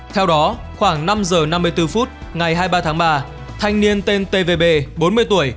theo đó khoảng năm giờ năm mươi bốn phút ngày hai mươi ba tháng ba thanh niên tên tvb bốn mươi tuổi